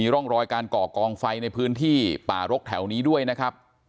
ร่องรอยการก่อกองไฟในพื้นที่ป่ารกแถวนี้ด้วยนะครับ